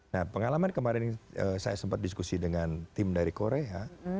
nah pengalaman kemarin saya sempat diskusi dengan tim dari korea